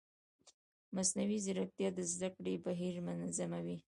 مصنوعي ځیرکتیا د زده کړې بهیر منظموي.